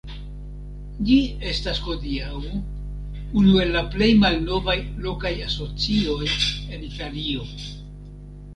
Ĝi estas hodiaŭ unu el la plej malnovaj lokaj asocioj en Italio.